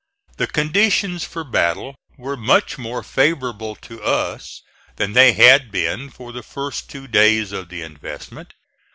The conditions for battle were much more favorable to us than they had been for the first two days of the investment.